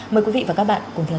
mời quý vị và các bạn cùng theo dõi